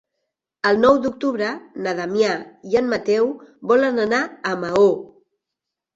El nou d'octubre na Damià i en Mateu volen anar a Maó.